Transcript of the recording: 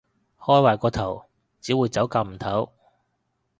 開壞個頭，只會走夾唔唞